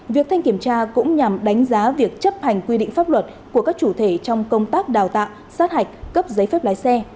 việc thanh kiểm tra cũng nhằm đánh giá việc chấp hành quy định pháp luật của các chủ thể trong công tác đào tạo sát hạch cấp giấy phép lái xe